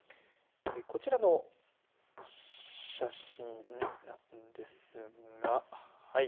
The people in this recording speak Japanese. こちらの写真なんですがはい。